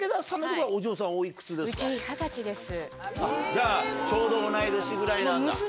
じゃちょうど同い年ぐらいなんだ。